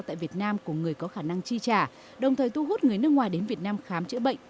tại việt nam của người có khả năng chi trả đồng thời thu hút người nước ngoài đến việt nam khám chữa bệnh